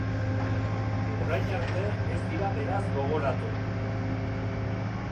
Orain arte ez dira beraz gogoratu.